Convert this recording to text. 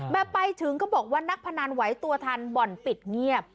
มาถึงก็บอกว่านักพนันไหวตัวทันบ่อนปิดเงียบ